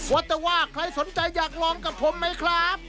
ว่าแต่ว่าใครสนใจอยากลองกับผมไหมครับ